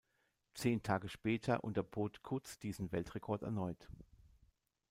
Zehn Tage später unterbot Kuz diesen Weltrekord erneut.